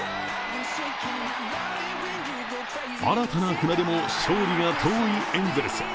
新たな船出も勝利が遠いエンゼルス。